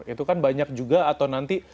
itu kan banyak juga atau nanti